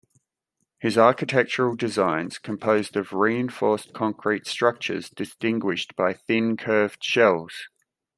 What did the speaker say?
His architectural designs composed of reinforced concrete structures distinguished by thin, curved shells.